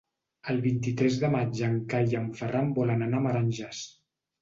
El vint-i-tres de maig en Cai i en Ferran volen anar a Meranges.